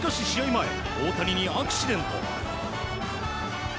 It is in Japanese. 前大谷にアクシデント。